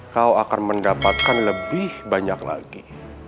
kau akan mendapatkan lebih banyak lagi